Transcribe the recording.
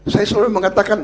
saya selalu mengatakan